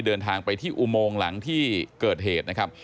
เดินทางไปที่อุโมงหลังที่เกิดเหตุนะครับ